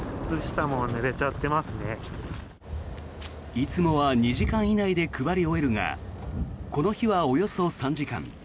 いつもは２時間以内で配り終えるがこの日はおよそ３時間。